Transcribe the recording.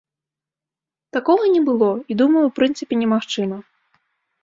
Такога не было, і думаю, у прынцыпе немагчыма.